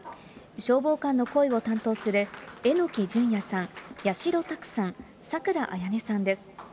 消防官の声を担当する榎木淳弥さん、八代拓さん、さくらあやねさんです。